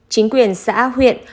chính quyền xã huyện